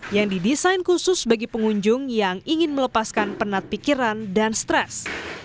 yang didesain khusus bagi pengunjung yang ingin melepaskan penat pikiran dan stres